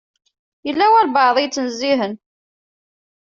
Yella walebɛaḍ i yettnezzihen.